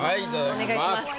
お願いします。